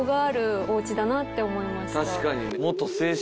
確かに。